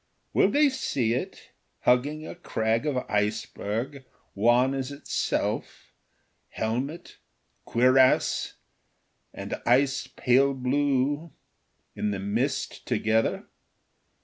Will they see it hugging a crag of iceberg wan as itself, helmet, cuirass and ice pale blue in the mist together?